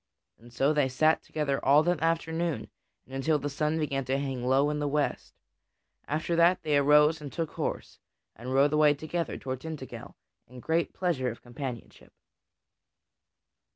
And so they sat together all that afternoon and until the sun began to hang low in the west; after that, they arose and took horse, and rode away together toward Tintagel in great pleasure of companionship.